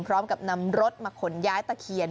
พร้อมกับนำรถมาขนย้ายตะเคียน